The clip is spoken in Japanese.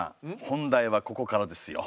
本題はここからですよ。